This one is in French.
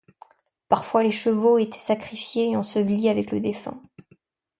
Parfois, les chevaux étaient sacrifiés et ensevelis avec le défunt.